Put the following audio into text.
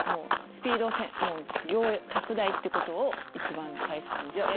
スピード拡大ってことを一番大切にして。